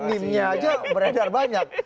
meme nya aja beredar banyak